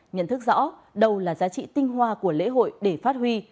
nhận thức rõ đâu là giá trị tinh hoa của lễ hội để phát huy